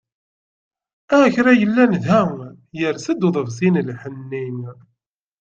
A kra yellan da, yers-d uḍebsi n lḥenni.